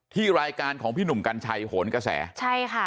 ที่รายการของพี่หนุ่มกัญชัยโหนกระแสใช่ค่ะ